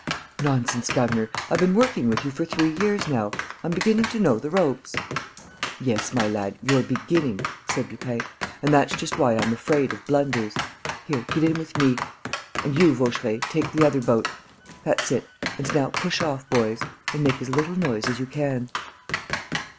"Nonsense, governor! I've been working with you for three years now.... I'm beginning to know the ropes!" "Yes, my lad, you're beginning," said Lupin, "and that's just why I'm afraid of blunders.... Here, get in with me.... And you, Vaucheray, take the other boat.... That's it.... And now push off, boys ... and make as little noise as you can."